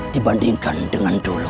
dibandingkan dengan dulu